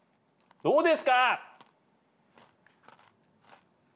どうですか？